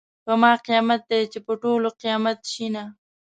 په ما قیامت ده چې په ټولو قیامت شینه .